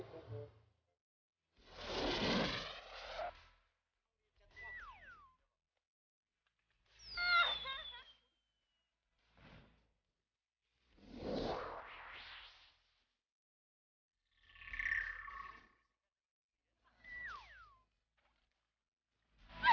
tidak bercontoh tanpa member